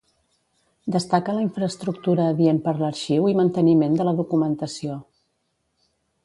Destaca la infraestructura adient per l'arxiu i manteniment de la documentació.